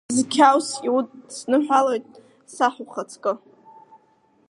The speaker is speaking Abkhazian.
Бзгьаус иудсныҳәалоит, саҳ ухаҵкы!